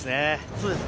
そうです。